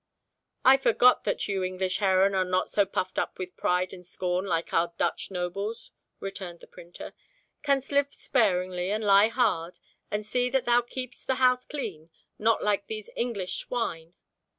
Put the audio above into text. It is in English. "I forgot that you English herren are not so puffed up with pride and scorn like our Dutch nobles," returned the printer. "Canst live sparingly, and lie hard, and see that thou keepst the house clean, not like these English swine?"